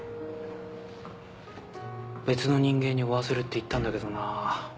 別の人間に追わせるって言ったんだけどな。